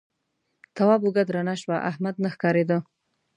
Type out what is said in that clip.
تواب اوږه درنه شوه احمد نه ښکارېده.